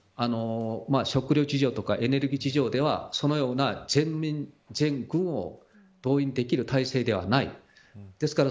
しかし今の北朝鮮の食糧事情とかエネルギー事情ではそのような全軍を動員できる体制ではない。